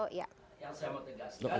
yang saya mau tegaskan